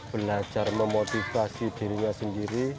belajar memotivasi dirinya sendiri